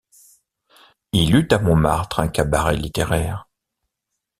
Il eut à Montmartre un cabaret littéraire.